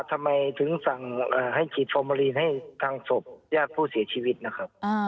ทำไมถึงสั่งให้ฉีดฟอร์มาลีนให้ทางศพญาติผู้เสียชีวิตนะครับ